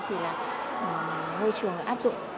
thì là ngôi trường áp dụng